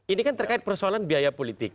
ini kan terkait persoalan biaya politik